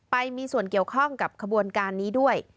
ไปมีส่วนเกี่ยวข้องกับขบวนการนี้ด้วย